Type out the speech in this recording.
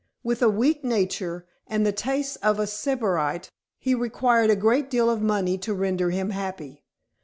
With a weak nature, and the tastes of a sybarite, he required a great deal of money to render him happy.